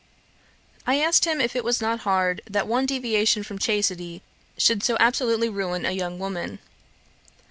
I asked him if it was not hard that one deviation from chastity should so absolutely ruin a young woman.